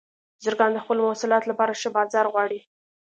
بزګران د خپلو محصولاتو لپاره ښه بازار غواړي.